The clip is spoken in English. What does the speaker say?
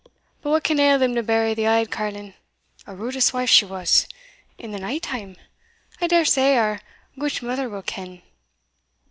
But what can ail them to bury the auld carlin (a rudas wife she was) in the night time? I dare say our gudemither will ken."